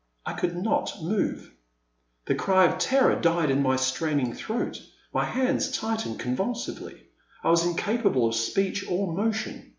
I could not move. The cry of terror died in my straining throat, my hands tight ened convtdsively; I was incapable of speech or motion.